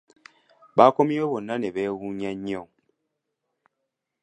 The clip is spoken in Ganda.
Bakomyewo bonna n’ebeewuunya nnyo.